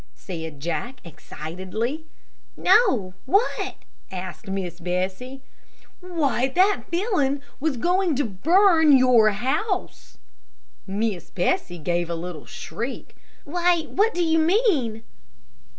said Jack, excitedly. "No what?" asked Miss Bessie. "Why that villain was going to burn your house." Miss Bessie gave a little shriek. "Why, what do you mean?"